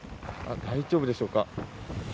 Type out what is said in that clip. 大丈夫でしょうか。